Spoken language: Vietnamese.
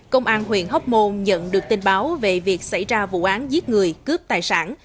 công an huyện hóc môn nhận được tin báo về việc xảy ra vụ án giết người cướp tài sản